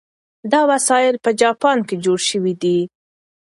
دا وسایل په جاپان کې جوړ شوي دي.